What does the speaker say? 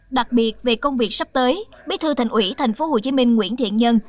đặc biệt về công việc sắp tới bí thư thành ủy tp hcm nguyễn thiện nhân